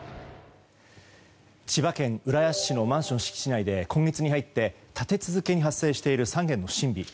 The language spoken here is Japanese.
千葉県浦安市のマンション敷地内で今月に入って立て続けに発生している３件の不審火。